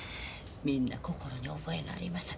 みんな心に覚えがあります